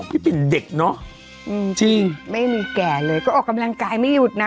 ปิ่นเด็กเนอะจริงไม่มีแก่เลยก็ออกกำลังกายไม่หยุดนะ